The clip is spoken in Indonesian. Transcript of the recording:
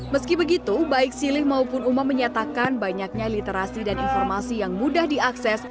meski begitu baik silih maupun umam menyatakan banyaknya literasi dan informasi yang mudah diakses